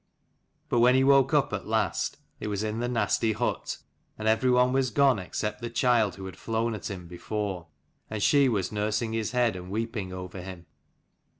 But when he woke up at last, it was in the nasty hut : and every one was gone except the child who had flown at him before; and she was nursing his head and weeping over him.